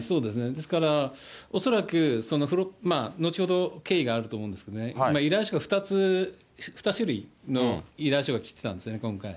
ですから、恐らく後ほど経緯があると思うんですが、依頼書が２種類、２種類の依頼書が来てたんですね、今回。